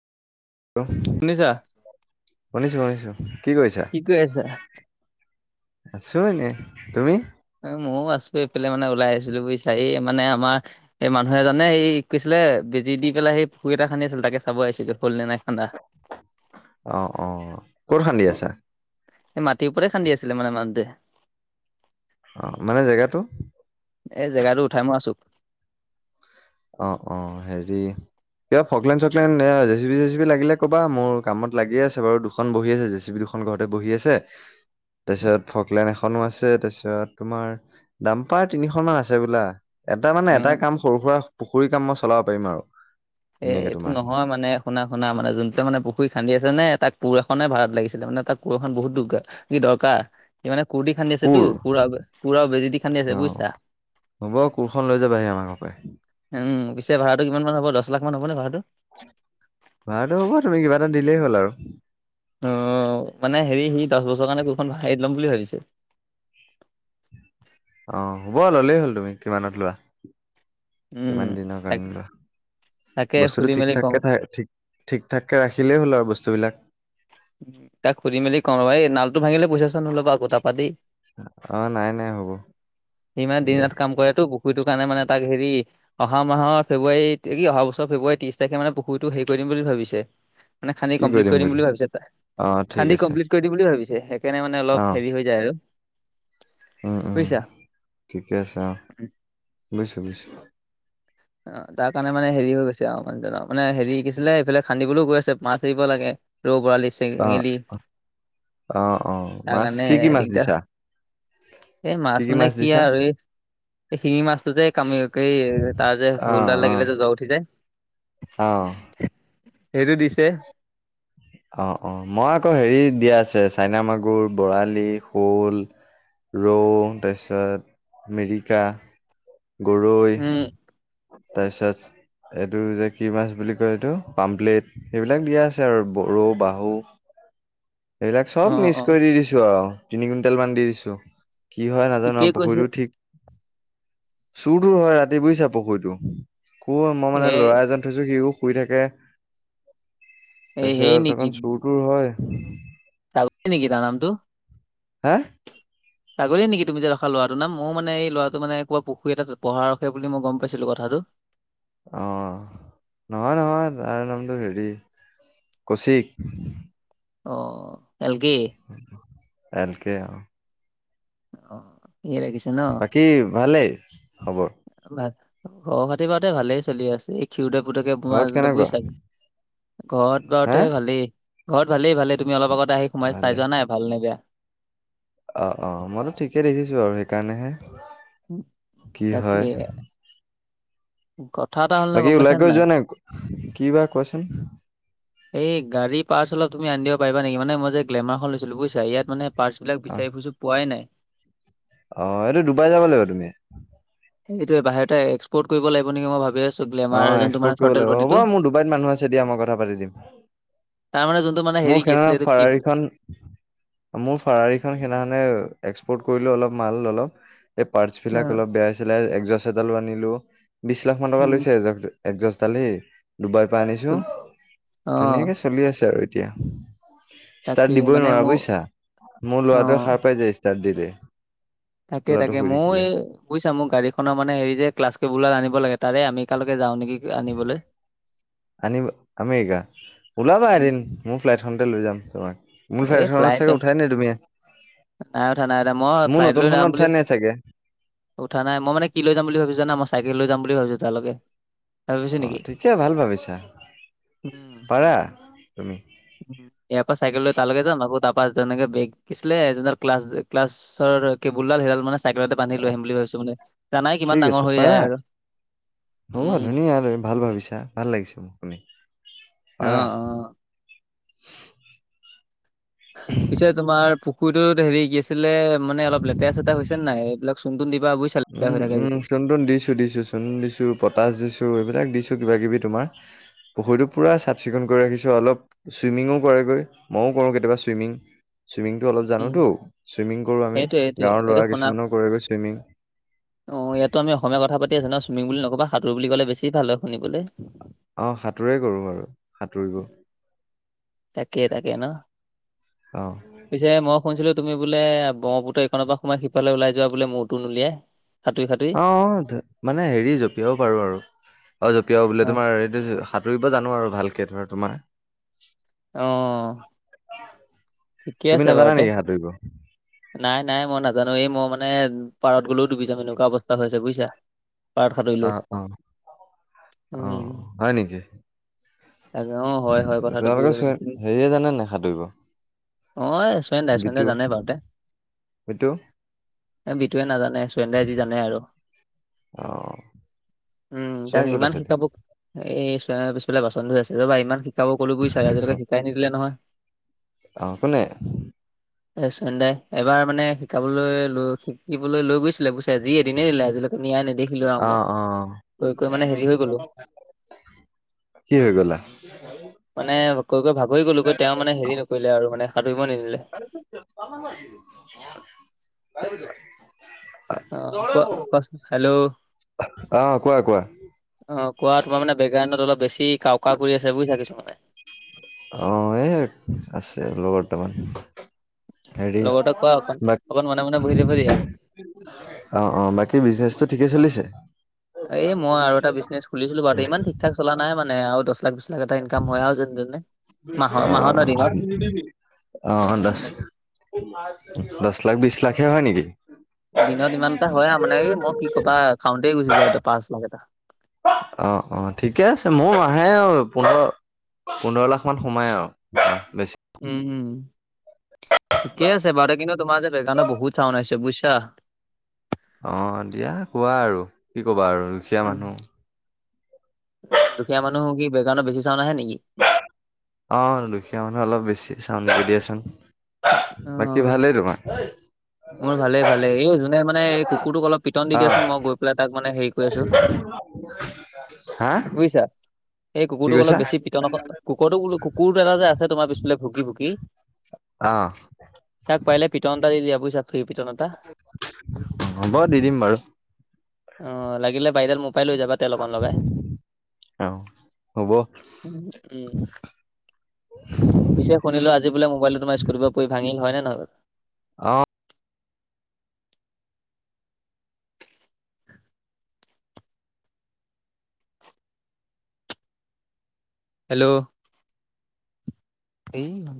শুনিছা? শুনিছো শুনিছো কি কৰিছা? কৰি আছা? আছো এনে, তুমি? ময়ো আছো এইফালে মানে ওলাই আহিছিলো, বুজিছা এই মানে আমাৰ এই মানুহে এজনে এই কৈছিলে বেজি দি পেলাই পুখুৰী এটা খান্দি আছিলে তাকে চাব আহিছিলো, হল নে নাই খান্দা। অঁ অঁ, ক'ত খান্দি আছো? সে মাটিৰ ওপৰে খান্দি আছিলে মানে মানুহটোৱে অ, মানে জেগাটো? এই জেগাটো উঠাই মই আছো। অঁ অঁ হেৰি কিবা ফকলেন চকলেন এ জেচিবি চেচিবি লাগিলে ক'বা মোৰ কামত লাগি আছে বাৰু দুখন বহি আছে জেচিবি দু এখন ঘৰতে বহি আছে, তাৰপিছত ফকলেন এখনো আছে তাৰপিছত তোমাৰ ডাম্পাৰ তিনি খন মান আছে বোলা। এটা মানে এটা উম কাম সৰু সুৰা পুখুৰী কাম মই চলাব পাৰিম আৰু। এ ধুনীয়াকে এইটো তোমাৰ নহয় মানে। শুনা শুনা মানে যোনটোৱে মানে পুখৰি আছেনে তাক কোৰ এখনে ভ়াত লাগিছিল মানে তাক কোৰ এখন বহুত দৰকাৰ কি দৰকাৰ ই মানে কুৰদি খান্দি আছে টো, কোৰ পুৰা পুৰা বেজী দি খান্দি আছে অ বুজিছা। হ'ব কোৰখন লৈ যাবাহি আমাৰ ঘৰ পৰাই। উম পিছে ভাড়াটো কিমান মান হব দছ লাখ মান হবনে ভাড়াটো। ভাড়াটো হ'ব তুমি কিবা এটা দিলেই হ'ল আৰু। অঁ মানে হেৰি সি দছ বছৰ কাৰণে কুৰখন হেৰিত ল'ম বুলি ভাবিছে। অঁ, হ'ব ললেই হ'ল তুমি কিমানত লোৱা? উম কিমান দিনৰ তাক কাৰণে লোৱা, তাকে সুধি বস্তুতটো ঠিক মেলি কওঁ ঠাককে থাক ঠিক ঠিক ঠাকে ৰাখিলেই হ'ল আৰু বস্তুবিলাক। তাক শুধি মেলি কম ৰবা, এই নালটো ভাঙিলে পইচা ছইচা নলবা আক তাপা দেই। অঁ নাই নাই হ'ব, দিয়া। সেইটো কাৰণে মানে তাক হেৰি অহা মাহৰ ফেব্ৰুৱাৰী কি অহা বছৰ ফেব্ৰুৱাৰী ত্ৰিশ তাৰিখে মানে পুখৰিটো হেৰি কৰিম বুলি ভাবিছে। মানে, খান্দি কমপ্লিট কৰি দিম বুলি ভাবিছে তাই, অ ঠিক খান্দি আছে কমপ্লিট কৰিম বুলি ভাবিছে। সেইকাৰণে মানে অলপ, অ হেৰি হৈ যায় আৰু। উম উম বুজিছা ঠিকে আছে, অঁহ, বুজিছো বুজিছো। অঁ, তাৰ কাৰণে মানে হেৰি হৈ গৈছে আৰু মানে হেৰি, কি আছিলে, এইফালে খান্দিবলৈও গৈ আছে মাছ এৰিব লাগে। ৰৌ, বৰালি, অ চেঙেলি অ অ তাৰ মাছ কাৰণে কি কি হে মাছ দিগদাৰ। দিছা এই মাছ মানে কি আৰু এই, এই শিঙি মাছটো যে কামুৰি হেৰি তাৰ যে, অ হোলডাল অ লাগিলে যে জৰ উঠি যায়, অ সেইটো দিছে। অ, অ মই আকৌ হেৰি দিয়া আছে চাইনা মাগুৰ, বৰালি, শ'ল। ৰৌ তাৰপিছত মেৰিকা। গৰৈ, উম তাৰপিছত এইটো যে কি মাছ বুলি কয় এইটো পামপ্লেট সেইবিলাক দিয়া আছে আৰু ৰৌ, বাহু এইবিলাক চব অ মিক্স অ কৰি দি দিছো আৰু তিনি কুইণ্টেল মান দি দিছো। কি হয় নাজানো, ঠিকেই কৈছে পুখুৰীটো ঠিক চুৰ তুৰ হয় ৰাতি বুজিছা পুখুৰীটো। অঁ, মই এ মানে লৰা এজন থৈছো, সিও শুই থাকে। এ হেৰি তাৰপিছত অকন চুৰ তুৰ হয়। ডাউকী নেকি তাৰ নামটো? হা সাগৰে নেকি তুমি যে ৰখা লৰাটো নাম? ময়ো মানে, এই ল'ৰাটো মানে, কৰবা পুখুৰী এটাত পহৰা ৰখে বুলি মই গম পাইছিলো কথাটো। অ নহয়, নহয় তাৰ নামটো হেৰি, কৌশিক। অ এল কে এল কে, অ। অ ইয়ে লাগিছে ন কি, ভালেই খবৰ। নাই খবৰ খাতি বাৰু এতিয়া ভালেই চলি আছে এ- ক্ষিৰোদৰ পুতেকে ঘৰত কেনেকুৱা [unintelligible] ঘৰত হা বাৰুতে ভালেই, ঘৰত ভালেই-ভালেই। তুমি অলপ আগতে আহি, সোমাই ভালে চাই যোৱা নাই, ভাল নে বেয়া? অ অ মইটো ঠিকে দেখিছো আৰু সেইকাৰণেহে। কি তাকে হয় কথা এটা হ'ল নহয় বাকী, গম পাইছা ওলাই নে কৰি যোৱা নাই? কি বা কোৱাচোন? এই, গাড়ী পাৰ্টছ অলপ তুমি আনিব পাৰা নেকি? মানে মই যে গ্লেমাৰখন লৈছিলোঁ বুইছা, ইয়াত মানে পাৰ্টছ বিলাক অ বিচাৰি ফুৰিছোঁ, পোৱাই নাই। অ, এইটো ডুবাই যাব লাগিব তুমি। সেইটোয়ে, বাহিৰতে এক্সপৰ্ট কৰিব লাগিব নেকি মই ভাবি আছো। অ, এক্সপৰ্ট কৰিব লাগিব। হ'ব, মোৰ ডুবাইত মানুহ আছে দিয়া, মই কথা পাতি দিম। তাৰ, মানে যোন মোৰ সেইনাখনে ফাৰাৰীখন মোৰ ফাৰাৰী খন সেইদিনাখনে, এক্সপৰ্ট কৰিলো অলপ মাল ললোঁ। এই পাৰ্টছ বিলাক অ' অলপ বেয়া হৈছিলে, একজাছ এডালো আনিলো। বিশ লাখ মান টকা উম, লৈছে, এয একজাছ দাল হেই ডুবাইৰ পৰা আনিছো, তুম- ধুনীয়াকে অ' চলি আছে আৰু এ- তিয়া, তাকে ষ্টাৰ্ট দিবই মানে নোৱাৰা মোৰ বুজিছা, মোৰ লৰাটোৱে অ' সাৰ পাই যাই ষ্টা- ষ্টাৰ্ট দিলে। তাকে, ল'ৰাটো তাকে শুই মইও থাকিলে এই বুইছা, মোৰ গাড়ী খনৰ মানে হেৰি যে, ক্লাছ কেবোল দাল আনিব লাগে, তাৰে আমেৰিকালৈকে যাওঁ নেকি। আনিবলৈ আনিব, আমেৰিকা, উলাবা উম, এদিন। মোৰ ফ্লাইটখনতে লৈ যাম তোমাক, মোৰ ফ্লাইট খনত চাগে উঠাই নাই তুমি। নাই উঠা, নাই উঠা, মই মোৰ ফ্লাইট লৈ যাম নতুনখনত বুলি উঠাই নাই চাগে উঠা নাই, মই মানে কি লৈ যাম বুলি ভাবিছো জানা, মই চাইকেল লৈ যাম বুলি ভাবিছোঁ তাৰ লৈকে। অ, ঠিকে ভাল ভাবিছা, উম, পাৰা তুমি। উম। ইয়াৰ পৰা চাইকেল লৈ তালৈকে যাম, আকৌ তাৰপৰা তেনেকে বেগ কি আছিলে, যোনডাল ক্লাছ, ক্লাছৰ কেবুলডাল সেইডাল মানে চাইকেলতে বান্ধি অ লৈ আহিম বুলি ভাবিছো মানে জানাই ঠিক কিমান ডাঙৰ আছে হৈ পাৰা যায় আৰু। হ'ব উম, ধুনীয়া আৰু ভাল ভাবিছা ভাল লাগিছে মোক শুনি। অ পাৰা অ পিছে তোমাৰ পুখুৰীটোত হেৰি কি আছিলে মানে অলপ লেতেৰা চেতেৰা হৈছে নাই এইবিলাক চুন তুন দিবা বুইচা লেতেৰা হৈ থাকে যদি। চুন দিছোঁ দিছোঁ চুন দিছোঁ, পটাছ দিছোঁ এইবিলাক দিছোঁ কিবাকিবি তোমাৰ। পুখুৰীটো পুৰা চাফ চিকুণ কৰি ৰাখিছোঁ অলপ চুইমিঙো কৰেগৈ ময়ো কৰোঁ কেতিয়াবা চুইমিং। চুইমিংটো অলপ উম, জানোতো চুইমিং কৰো আমি সেইটোৱে সেইটোৱে গাঁৱৰ এইটো ল'ৰা শুনা কিছুমানো কৰেগৈ চুইমিং। অ, ইয়াতটো আমি অসমীয়া কথা পাতি আছো ন? চুইমিং বুলি নকবা, সাঁতোৰ বুলি ক'লে বেছি ভাল হয় শুনিবলে। অ, সাঁতোৰেই কৰোঁ বাৰু সাঁতুৰিব। তাকে তাকে ন। অ। পিছে মই শুনছিলো তুমি বোলে ব্ৰহমপুত্ৰ ইফালৰ পৰা সোমাই সিফালে ওলাই যোৱা বোলে মোৰতো নুলিয়াই। সাঁতুৰি সাঁতুৰি। অ মানে হেৰি জপিয়াব পাৰো আৰু অ জঁপিয়ও বোলে অ তোমাৰ এইটোত সাত। তুৰিব জানো আৰু ভালকে ধৰা তোমাৰ। অ। [unintelligible] ঠিকে আছে বাৰু নাজানা তে নেকি সাঁতুৰিব নাই নাই মই নাজানো এই মই মানে। পাৰত গলেও দুবিজাম এনেকুৱা অৱস্থা আছে বুজিছা পাৰত অ সাতুৰিলেও। অ অ হয় নেকি। তাকে অ হয় হয় কথাটো বু- [inaudible] হেৰিয়ে জানে নে সাতুৰিব। অ [inaudible] জানে বাৰুতে বিতু এ বিটোৱে নাজানে। তায়েই যি জানে আৰু অ উম চয়ন তাক ক'ত ইমান আছে এতিয়া শিকাব। এই পিছফালে বাচন ধই আছে ৰবা ইমান শিকাব কলো বুজ চ আজিলৈকে শিকাই নিদিলে নহয়। অ কোনে। চয়েনদাই এবাৰ মানে শিকাবলৈ লৈ শিকিবলৈ লৈ গৈছিলে [inaudible] জি এদিনে নিলে আজিলৈকে নিয়া নেদেখিলো আৰু অ মই। অ। কৈ কৈ মানে হেৰি হৈ গ'লো কি হৈ গলা। মানে কৈ কৈ ভাগৰি গ'লো গৈ তেওঁ মানে হেৰি নকৰিলে আৰু মানে সাঁটোৰিব নিদিলে। অ কোৱা কোৱাচোন হেল্ল' [unintelligible] [inaudible] অ কোৱা কোৱা। অ কোৱা তোমাৰ মে বেকগ্ৰাউণ্ডত অলপ বেছি কাওকাও কৰি আছে বুজিছা কিছো মানে। অ এ আছে লগৰ দুটামান। হেৰি [unintelligible] লগতে কোৱা অকণ অকণ মনে মনে বহি থাকিব দিয়া অ অ বাকী বিজনেচটো ঠিকেই চলিছে। এই মই আৰু এটা বিজনেছ খুলিছিলো বাৰুো ইমান ঠিক ঠাক চলা নাই মানে আৰু দহ লাখ বিছ। [inaudible] এটা ইনকাম হয় আৰু যেনে তেনে মাহৰ মাহত নহয় দিনত। [unintelligible] অ দশ দশ লাখ বিশ লাখহে হয় নেকি। দিনত ইমান এটা হয় আও মানে কি মই কি কবা একাউণ্টতে গুচি যায় পাঁচ লাখ এটা। অ অ ঠিকে আছে মোৰ মাহে আৰু পোন্ধৰ। পোন্ধৰ লাখ মান সোমাই আৰু বেছি। উম উম ঠিকে আছে বাৰু কিন্তু তোমাৰ যে বেকগ্ৰাউণ্ডত বহুত চাউন আহিছে বুজিছা। অ দিয়া হোৱা আৰু কি ক'বা আৰু। দুখীয়া উম মানুহ দুখীয়া মানুহ কি বেগ্ৰউণ্ডত বেছি চাওণ্ড আহে নেকি। অ দুখীয়া মানুহ অলপ বেছি চাওণ্ড দিয়াচোন। বাকী অ ভালেই তোমাৰ। মোৰ ভালেই ভালেই এই যোনে মানে এই কুকুৰটোক অলপ পিটন দি অ' দিয়াচোন মই গৈ পেলাই তাক মানে হেৰি কৰি আছো। হা। বুজিছা এই কি কুকুৰটোক কৈছা অলপ বেছি পিটনক কুকুৰটোক কুকুৰটো এটা যে আছে তোমাৰ পিছফালে ভুকি ভুকি। অ। তাক পাৰিলি পিতন এটা দি দিয়া বুজিছা। ফ্ৰী পিটন এটা হ'ব দি দিম বাৰু। অ লাগিলে বাৰিদাল মোক। পাই লৈ যাবা তেল অকণ লগাই। অ' হ'ব পিছে শুনিলো আজি বলে মোবাইলটো স্কুটিৰ পৰা পৰি ভাঙিল হয় নে নহয়? অঁ। হেল্ল'। এই।